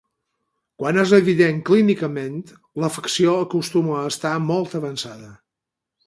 Quan és evident clínicament, l'afecció acostuma a estar molt avançada.